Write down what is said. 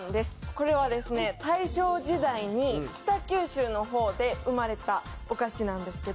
これはですね大正時代に北九州の方で生まれたお菓子なんですけど。